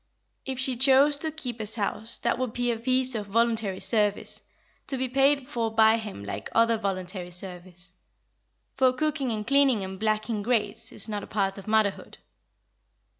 If she chose to keep his house, that would be a piece of voluntary service, to be paid for by him like other voluntary service; for cooking and cleaning and blacking grates is not a part of motherhood.